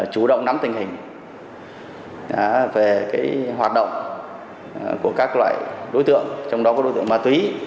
chủ động nắm tình hình về hoạt động của các loại đối tượng trong đó có đối tượng ma túy